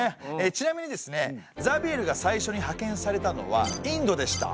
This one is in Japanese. ちなみにですねザビエルが最初に派遣されたのはインドでした。